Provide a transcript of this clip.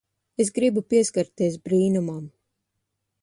Es gribu pieskarties brīnumam.